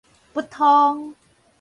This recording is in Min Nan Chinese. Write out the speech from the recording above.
不通